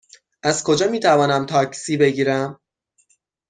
از کجا می توانم تاکسی بگیرم؟